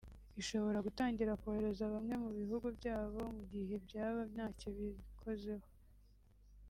ishobora gutangira kohereza bamwe mu bihugu byabo mu gihe byaba ntacyo bibikozeho